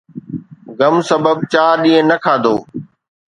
غم سبب چار ڏينهن نه کاڌو.